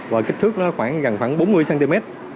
và cái kích thước nó gần khoảng bốn mươi cm